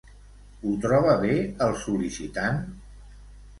Ho troba bé el sol·licitant?